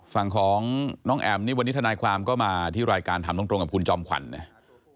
ฝั่งของน้องแอ๋มนี่วันนี้ทนายความก็มาที่รายการถามตรงกับคุณจอมขวัญนะ